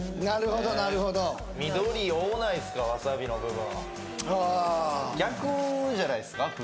なるほどなるほど逆じゃないですか？